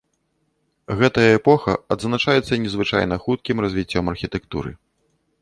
Гэтая эпоха адзначаецца незвычайна хуткім развіццём архітэктуры.